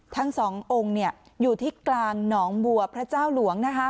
ทั้งสององค์อยู่ที่กลางหนองบัวพระเจ้าหลวง